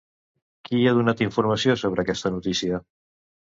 Qui ha donat informació sobre aquesta notícia?